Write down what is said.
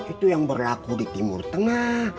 itu yang berlaku di timur tengah